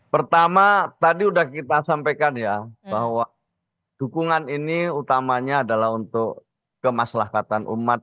pertama tadi sudah kita sampaikan ya bahwa dukungan ini utamanya adalah untuk kemaslahatan umat